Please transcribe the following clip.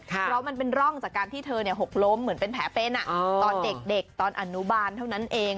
เพราะมันเป็นร่องจากการที่เธอหกล้มเหมือนเป็นแผลเป็นตอนเด็กตอนอนุบาลเท่านั้นเอง